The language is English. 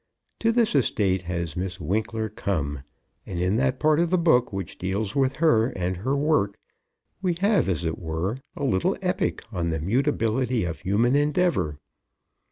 To this estate has Miss Winkler come, and in that part of the book which deals with her and her work, we have, as it were, a little epic on the mutability of human endeavor.